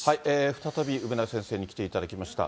再び、梅田先生に来ていただきました。